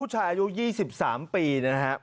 ผู้ชายอายุ๒๓ปีนะครับ